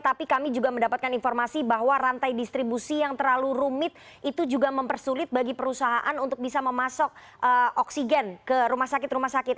tapi kami juga mendapatkan informasi bahwa rantai distribusi yang terlalu rumit itu juga mempersulit bagi perusahaan untuk bisa memasok oksigen ke rumah sakit rumah sakit